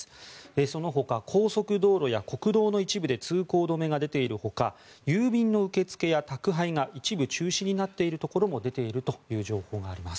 そのほか高速道路や国道の一部で通行止めが出ているほか郵便の受け付けや宅配が一部中止になっているところも出ているという情報があります。